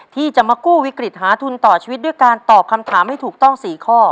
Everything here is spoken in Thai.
ที่จะมากู้วิกฤตหาทุนต่อชีวิตด้วยการตอบคำถามให้ถูกต้อง๔ข้อ